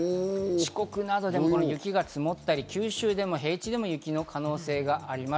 四国などでも雪が積もったり九州の平地でも雪の可能性があります。